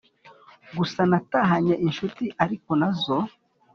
Gusa natahanye inshuti ariko nazo